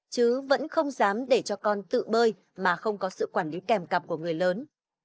chứ vẫn không dám để cho con tự bơi mà không có sự quản lý kèm cặp của người lớn